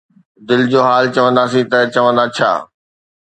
دل جو حال چونداسين، ته چوندا ”ڇا“؟